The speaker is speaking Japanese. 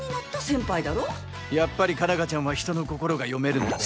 やっぱり佳奈花ちゃんは人の心が読めるんだね。